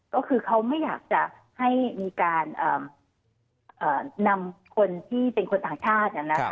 ก็คือเขาไม่อยากจะให้มีการนำคนที่เป็นคนต่างชาติ